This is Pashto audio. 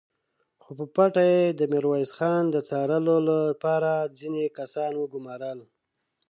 خو په پټه يې د ميرويس خان د څارلو له پاره ځينې کسان وګومارل!